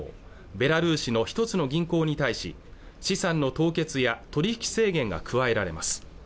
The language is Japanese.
ベラルーシの一つの銀行に対し資産の凍結や取引制限が加えられます